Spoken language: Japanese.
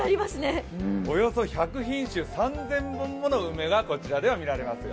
およそ１００品種、３０００本もの梅がこちらでは見られますよ。